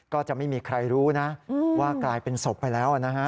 ก็จะไม่มีใครรู้นะว่ากลายเป็นศพไปแล้วนะฮะ